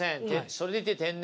それでいて天然。